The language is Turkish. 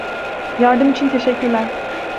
Yardım için teşekkürler.